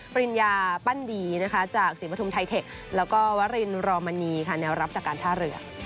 ปริญญาปั้นดีนะคะจากศรีปฐุมไทเทคแล้วก็วรินรอมณีค่ะแนวรับจากการท่าเรือ